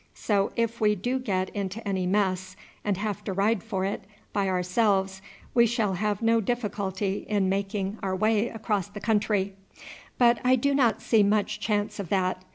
So if we do get into any mess and have to ride for it by ourselves, we shall have no difficulty in making our way across the country; but I do not see much chance of that.